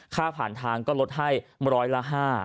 ค่าผ่านทางก็ลดให้ร้อยละ๕